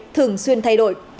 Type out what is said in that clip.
thường xuyên thay đổi